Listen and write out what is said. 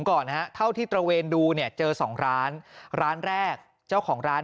ก่อนนะฮะเท่าที่ตระเวนดูเนี่ยเจอสองร้านร้านแรกเจ้าของร้าน